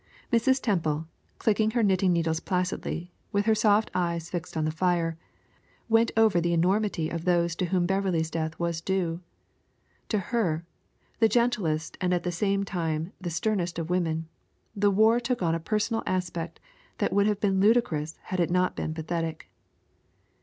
Mrs. Temple, clicking her knitting needles placidly, with her soft eyes fixed on the fire, went over the enormity of those to whom Beverley's death was due. To her, the gentlest and at the same time the sternest of women, the war took on a personal aspect that would have been ludicrous had it not been pathetic.